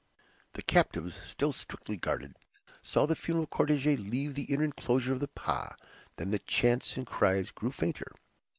The captives, still strictly guarded, saw the funeral cortege leave the inner inclosure of the "pah"; then the chants and cries grew fainter.